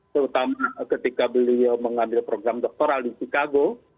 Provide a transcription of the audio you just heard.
terutama ketika beliau mengambil program doktoral di chicago